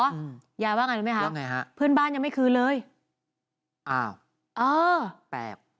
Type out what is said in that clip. อืมยายว่าไงรู้ไหมคะว่าไงฮะเพื่อนบ้านยังไม่คืนเลยอ้าวเออแปลก